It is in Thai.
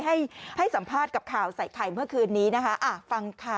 ให้สัมภาษณ์กับข่าวใส่ไข่เมื่อคืนนี้ฟังค่ะ